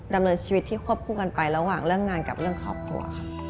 ดำเนินชีวิตที่ควบคู่กันไประหว่างเรื่องงานกับเรื่องครอบครัวค่ะ